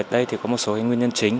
đây có một số nguyên nhân chính